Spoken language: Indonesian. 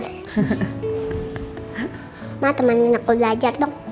mama temenin aku belajar dong